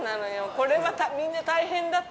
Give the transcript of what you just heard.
これみんな大変だった。